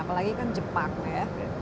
apalagi kan jepang ya